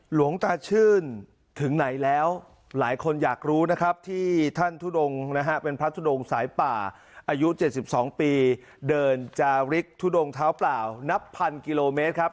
หลวงตาชื่นถึงไหนแล้วหลายคนอยากรู้นะครับที่ท่านทุดงนะฮะเป็นพระทุดงสายป่าอายุ๗๒ปีเดินจาริกทุดงเท้าเปล่านับพันกิโลเมตรครับ